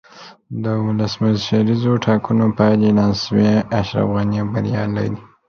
د ولسمشریزو ټاکنو پایلې اعلان شوې، اشرف غني بریالی دی.